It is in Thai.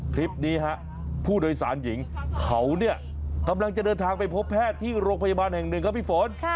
คลิปนี้ฮะผู้โดยสารหญิงเขาเนี่ยกำลังจะเดินทางไปพบแพทย์ที่โรงพยาบาลแห่งหนึ่งครับพี่ฝน